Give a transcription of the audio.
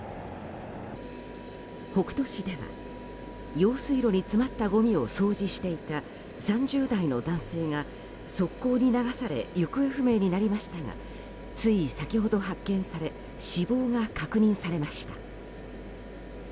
北斗市では、用水路に詰まったごみを掃除していた３０代の男性が側溝に流され行方不明になりましたがつい先ほど発見され死亡が確認されました。